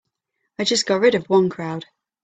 I just got rid of one crowd.